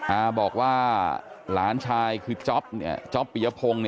อาบอกว่าหลานชายคือจ๊อปจ๊อปปียพงศ์